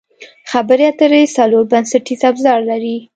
خبرې اترې څلور بنسټیز ابزار لري.